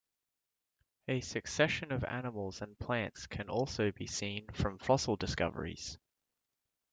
A succession of animals and plants can also be seen from fossil discoveries.